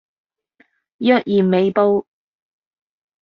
若然未報